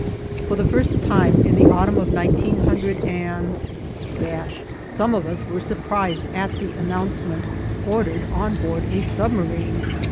For the first time in the autumn of 190 some of us were surprised at the announcement: "Ordered on board a submarine."